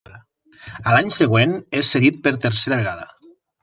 A l'any següent, és cedit per tercera vegada.